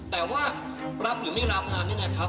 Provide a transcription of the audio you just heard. แต่ว่ารับหรือไม่รับนะนี่นะครับ